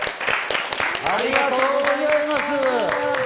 ありがとうございます！